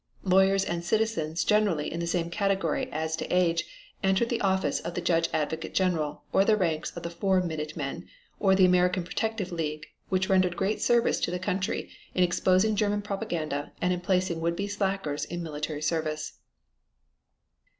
Lawyers and citizens generally in the same category as to age entered the office of the Judge Advocate General or the ranks of the Four Minute Men or the American Protective League which rendered great service to the country in exposing German propaganda and in placing would be slackers in military service.